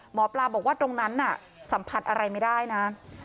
หมอปลาบอกว่าตรงนั้นน่ะสัมผัสอะไรไม่ได้นะ